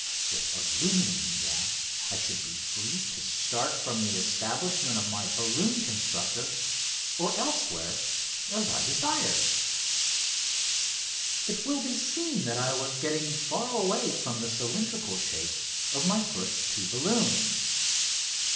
With illuminating gas I should be free to start from the establishment of my balloon constructor or elsewhere as I desired. [Illustration: Fig. 6] It will be seen that I was getting far away from the cylindrical shapes of my first two balloons.